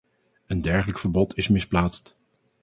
Een dergelijk verbod is misplaatst.